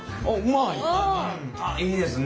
あっいいですね。